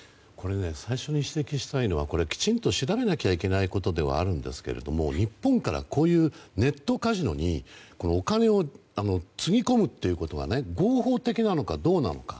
最初に指摘したいのはきちんと調べなきゃいけないことではあるんですけど日本からこういうネットカジノにお金をつぎ込むということが合法的なのかどうなのか。